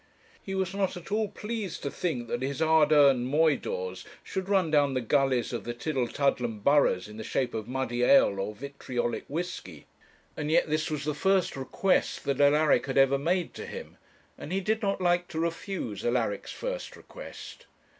He was not at all pleased to think that his hard earned moidores should run down the gullies of the Tillietudlem boroughs in the shape of muddy ale or vitriolic whisky; and yet this was the first request that Alaric had ever made to him, and he did not like to refuse Alaric's first request.